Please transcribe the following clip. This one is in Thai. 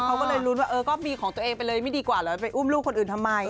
เขาก็เลยลุ้นว่าเออก็มีของตัวเองไปเลยไม่ดีกว่าเหรอไปอุ้มลูกคนอื่นทำไม